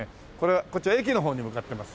こっちは駅の方に向かってます。